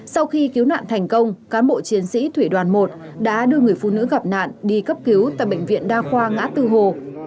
sau khi cứu nạn thành công cán bộ chiến sĩ thủy đoàn một đã đưa người phụ nữ gặp nạn đi cấp cứu tại bệnh viện đa khoa ngã tư hồ